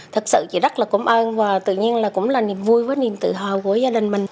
thật sự chị rất là cảm ơn và tự nhiên là cũng là niềm vui với niềm tự hào của gia đình mình